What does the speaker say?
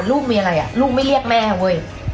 ลูกไม่เรียกแม่เห้ย